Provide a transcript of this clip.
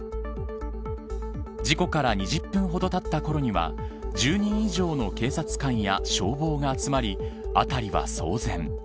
事故から２０分ほどたったころには１０人以上の警察官や消防が集まり辺りは騒然。